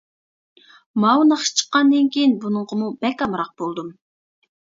ماۋۇ ناخشا چىققاندىن كېيىن بۇنىڭغىمۇ بەك ئامراق بولدۇم.